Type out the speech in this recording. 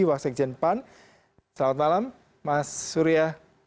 waksekjen pan selamat malam mas surya